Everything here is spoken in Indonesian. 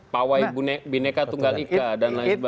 pawai bineka tunggal ika dan lain sebagainya